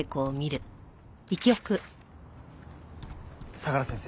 相良先生。